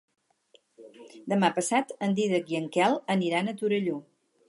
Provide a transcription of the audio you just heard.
Demà passat en Dídac i en Quel aniran a Torelló.